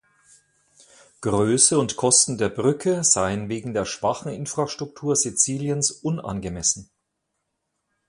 Größe und Kosten der Brücke seien wegen der schwachen Infrastruktur Siziliens unangemessen.